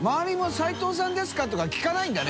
Ⅳ蠅「斎藤さんですか？」とか聞かないんだね。